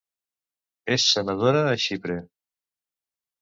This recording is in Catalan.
És senadora a Xipre.